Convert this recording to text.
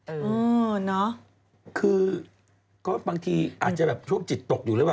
เออเนอะคือก็บางทีอาจจะแบบช่วงจิตตกอยู่หรือเปล่า